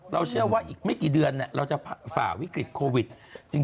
เชื่อว่าอีกไม่กี่เดือนเราจะฝ่าวิกฤตโควิดจริง